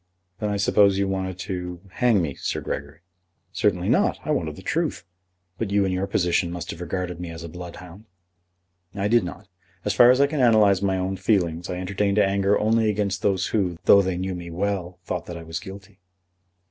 "Then I suppose you wanted to hang me, Sir Gregory." "Certainly not. I wanted the truth. But you in your position must have regarded me as a bloodhound." "I did not. As far as I can analyse my own feelings, I entertained anger only against those who, though they knew me well, thought that I was guilty."